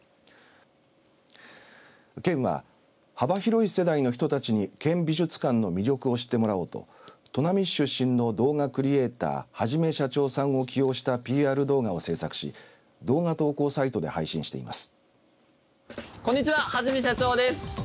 県は、幅広い世代の人たちに県美術館の魅力を知ってもらおうと砺波市出身の動画クリエイターはじめしゃちょーさんを起用したＰＲ動画を制作し動画投稿サイトで配信しています。